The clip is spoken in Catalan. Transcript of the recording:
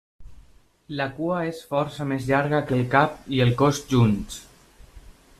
La cua és força més llarga que el cap i el cos junts.